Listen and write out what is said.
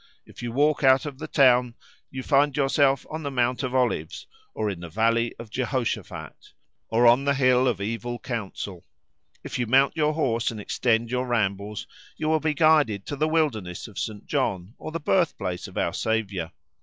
If you walk out of the town you find yourself on the Mount of Olives, or in the Valley of Jehoshaphat, or on the Hill of Evil Counsel. If you mount your horse and extend your rambles you will be guided to the wilderness of St. John, or the birthplace of our Saviour.